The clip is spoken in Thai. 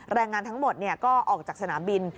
แรงงานทั้งหมดก็ออกจากสนามบิน